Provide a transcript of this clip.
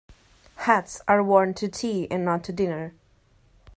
Hats are worn to tea and not to dinner.